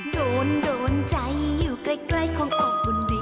โดนใจอยู่ใกล้ขององค์คุณดี